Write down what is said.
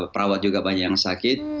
perawat juga banyak yang sakit